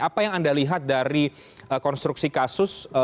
apa yang anda lihat dari konstruksi kasus